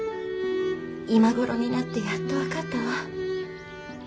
今頃になってやっと分かったわ。